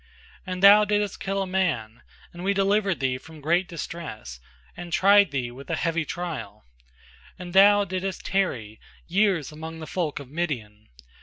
And thou didst kill a man and We delivered thee from great distress, and tried thee with a heavy trial. And thou didst tarry years among the folk of Midian.